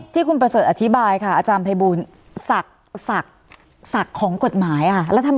ที่คุณประเศษอธิบายค่ะอาจารย์ไพบูลสักของกฎหมายอ่ะ